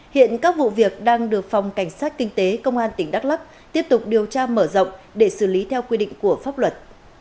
hiện các vụ việc đang được phòng cảnh sát kinh tế công an tỉnh đắk lắc tiếp tục điều tra mở rộng để xử lý theo quy định của pháp luật